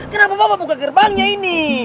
kenapa bapak buka gerbangnya ini